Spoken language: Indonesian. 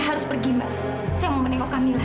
saya harus pergi mbak saya mau menengok camilla